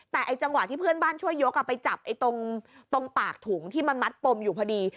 แต่ไอ้จังหวะที่เพื่อนบ้านช่วยยกไปจับตรงปากถุงที่มันมัดปมอยู่พอดี